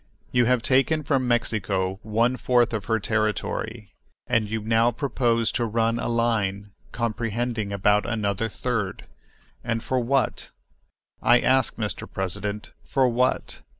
You have taken from Mexico one fourth of her territory, and you now propose to run a line comprehending about another third, and for what? I ask, Mr. President, for what?